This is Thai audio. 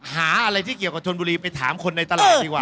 หาอะไรที่เกี่ยวกับชนบุรีไปถามคนในตลาดดีกว่า